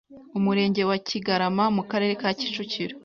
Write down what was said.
umurenge wa Kigarama mu Karere ka Kicukiro